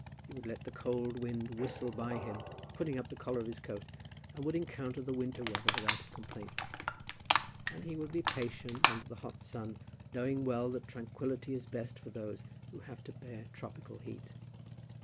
He would let the cold wind whistle by him, putting up the collar of his coat, and would encounter the winter weather without complaint. And he would be patient under the hot sun, knowing well that tranquillity is best for those who have to bear tropical heat.